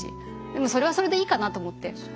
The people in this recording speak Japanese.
でもそれはそれでいいかなと思って。